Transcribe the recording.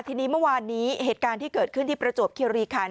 ทีนี้เมื่อวานนี้เหตุการณ์ที่เกิดขึ้นที่ประจวบคิวรีคัน